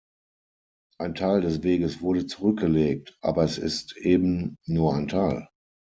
Ein Teil des Weges wurde zurückgelegt, aber es ist eben nur ein Teil.